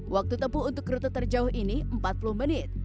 waktu tempuh untuk rute terjauh ini empat puluh menit